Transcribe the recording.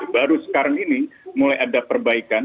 baru sekarang ini mulai ada perbaikan